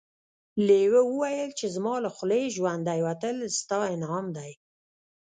لیوه وویل چې زما له خولې ژوندی وتل ستا انعام دی.